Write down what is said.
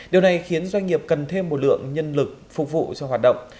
điều này khiến doanh nghiệp cần thêm một lượng nhân lực phục vụ cho hoạt động